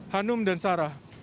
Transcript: hanum dan sarah